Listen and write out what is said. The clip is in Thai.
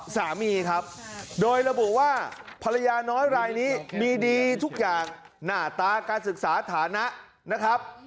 สามีครับโดยระบุว่าภรรยาน้อยรายนี้มีดีทุกอย่างหน้าตาการศึกษาฐานะนะครับ